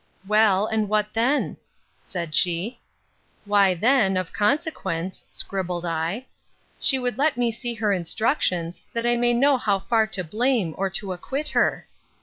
Well, and what then? said she. 'Why then, of consequence, (scribbled I,) she would let me see her instructions, that I may know how far to blame, or to acquit her.